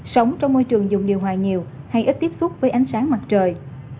sống trong môi trường dùng điều hòa nhiều hay ít tiếp xúc với ánh sáng mặt trời